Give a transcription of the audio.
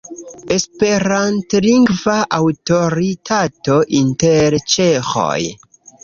Esperantlingva aŭtoritato inter ĉeĥoj.